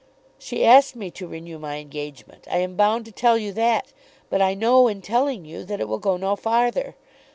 She asked me to renew my engagement. I am bound to tell you that, but I know in telling you that it will go no farther.